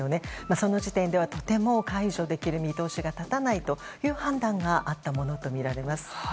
その時点ではとても解除できる見通しが立たないという判断があったものとみられます。